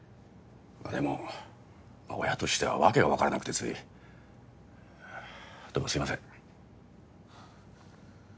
まあでも親としては訳が分からなくてついどうもすいません